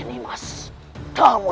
kamu benar benar sangat aneh nimas